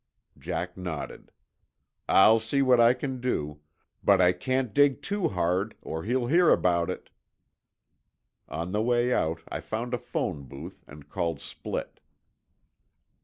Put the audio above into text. Jack nodded. "I'll see what I can do. But I can't dig too hard, or he'll hear about it." On the way out, I found a phone booth and called Splitt.